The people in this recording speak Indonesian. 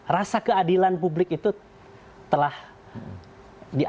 rasa keadilan publik itu tidak merekomendasikan